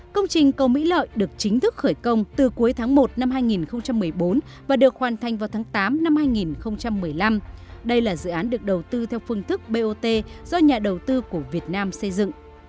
công trình cầu mỹ lợi được chính thức khởi công từ cuối tháng một năm hai nghìn một mươi bốn và được hoàn thành vào tháng tám năm hai nghìn một mươi năm đây là dự án được đầu tư theo phương thức bot do nhà đầu tư của việt nam xây dựng